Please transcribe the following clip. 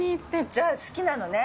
じゃあ、好きなのね？